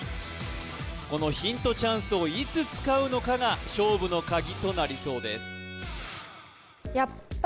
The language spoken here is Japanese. このヒントチャンスをいつ使うのかが勝負のカギとなりそうです